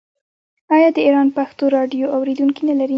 آیا د ایران پښتو راډیو اوریدونکي نلري؟